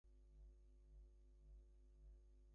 Its juice is uncolored.